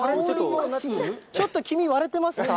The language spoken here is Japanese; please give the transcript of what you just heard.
ちょっと黄身割れてますか？